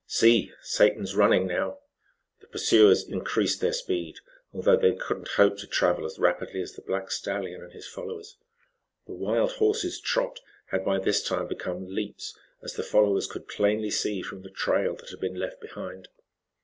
"See, Satan's running now." The pursuers increased their speed, although they could not hope to travel as rapidly as the black stallion and his followers. The wild horses' trot had by this time become leaps, as the followers could plainly see from the trail that had been left behind.